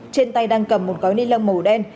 trên tay đang cầm một gói ni lông màu đen